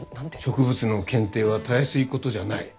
植物の検定はたやすいことじゃない。